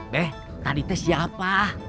be tadi tes siapa